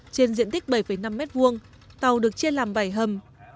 trên diện tích bảy năm m hai tàu được chia làm bảy hầm